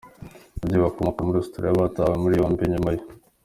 Ababyeyi bakomoka muri Australia batawe muri yombi nyuma yo.